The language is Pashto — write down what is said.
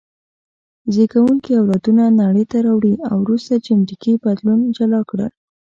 زېږوونکي اولادونه نړۍ ته راوړي او وروسته جینټیکي بدلون جلا کړل.